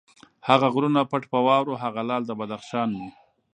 هغه غرونه پټ په واورو، هغه لعل د بدخشان مي